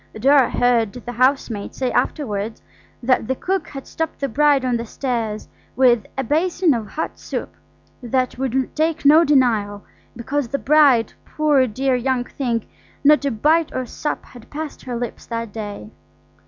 Dora heard the housemaid say afterwards that the cook had stopped the bride on the stairs with "a basin of hot soup, that would take no denial, because the bride, poor dear young thing, not a bite or sup had passed her lip that day".